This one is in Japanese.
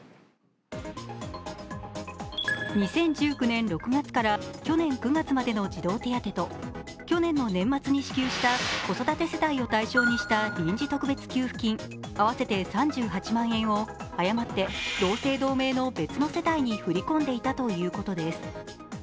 ２０１９年６月から去年９月までの児童手当と去年の年末に支給した子育て世帯を対象にした臨時特別給付金合わせて３８万円を誤って同姓同名の別の世帯に振り込んでいたということです。